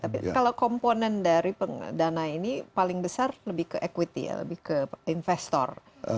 tapi kalau komponen dari dana ini paling besar lebih ke equity ya lebih ke investor